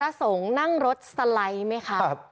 พระสงฆ์นั่งรถสไลด์ไหมครับ